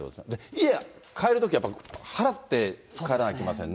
家、帰るときははらって帰らなきゃいけませんね。